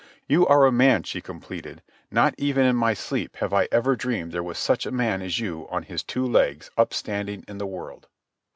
"You are a man," she completed. "Not even in my sleep have I ever dreamed there was such a man as you on his two legs upstanding in the world."